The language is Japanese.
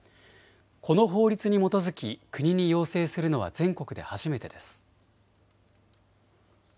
この法律に基づき、国に要請するのは全国で初めてです。